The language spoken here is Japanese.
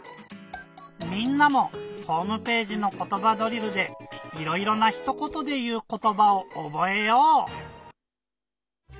みんなもホームページの「ことばドリル」でいろいろなひとことでいうことばをおぼえよう！